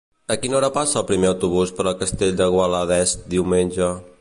A quina hora passa el primer autobús per el Castell de Guadalest diumenge?